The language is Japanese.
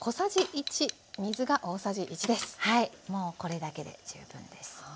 はいもうこれだけで十分です。